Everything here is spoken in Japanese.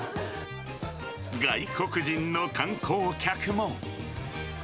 外国人の観光客も。